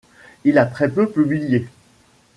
Il a très peu publié.